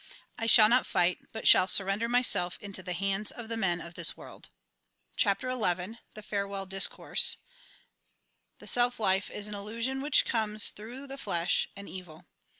I shall not fight, but shall surrender myself into the hands of the men of this world." CHAPTEE XI THE FAEEWELL DISCOURSE The self life is an illusion which comes through the flesh, an euil.